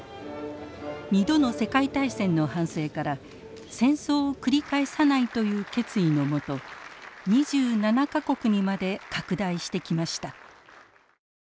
２度の世界大戦の反省から戦争を繰り返さないという決意の下２７か国にまで拡大してきました。